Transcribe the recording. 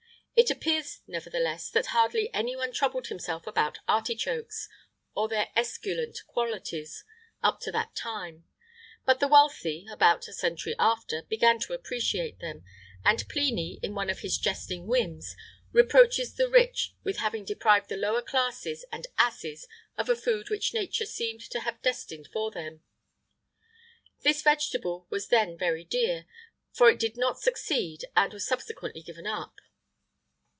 [IX 92] It appears, nevertheless, that hardly any one troubled himself about artichokes, or their esculent qualities, up to that time; but the wealthy, about a century after, began to appreciate them, and Pliny, in one of his jesting whims, reproaches the rich with having deprived the lower classes and asses of a food which nature seemed to have destined for them.[IX 93] This vegetable was then very dear,[IX 94] for it did not succeed, and was subsequently given up.